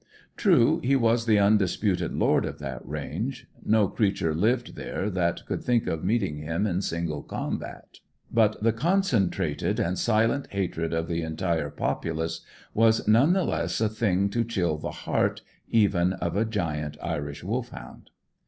True, he was the undisputed lord of that range. No creature lived there that could think of meeting him in single combat. But the concentrated and silent hatred of the entire populace was none the less a thing to chill the heart even of a giant Irish Wolfhound.